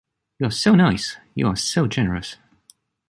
You are so nice! you are so generous!